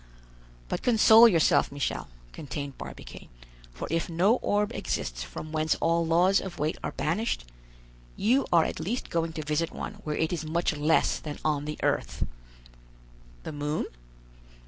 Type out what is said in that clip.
"But console yourself, Michel," continued Barbicane, "for if no orb exists from whence all laws of weight are banished, you are at least going to visit one where it is much less than on the earth." "The moon?"